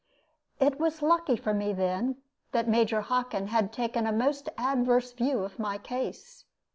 It was lucky for me, then, that Major Hockin had taken a most adverse view of my case.